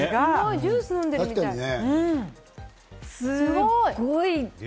ジュースを飲んでるみたい！